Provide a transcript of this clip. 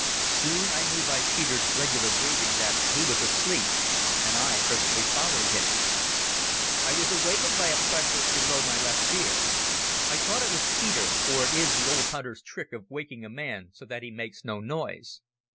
Soon I knew by Peter's regular breathing that he was asleep, and I presently followed him ... I was awakened by a pressure below my left ear. I thought it was Peter, for it is the old hunter's trick of waking a man so that he makes no noise.